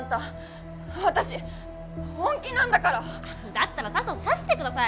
だったらさっさと刺してください。